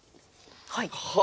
はい。